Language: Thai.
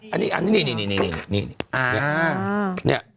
อันนี้อันนี้นี่